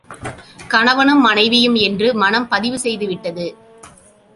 கணவனும், மனைவியும் என்று மனம் பதிவு செய்துவிட்டது.